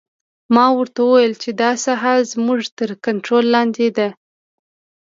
ما ورته وویل چې دا ساحه زموږ تر کنترول لاندې ده